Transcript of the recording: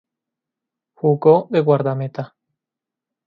Jugó de guardameta.